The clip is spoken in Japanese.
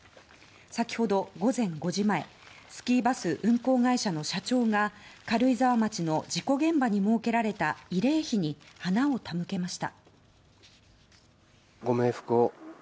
先ほど午前５時前スキーバス運行会社の社長が軽井沢町の事故現場に設けられた慰霊碑に花を手向けました。